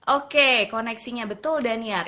oke koneksinya betul danyar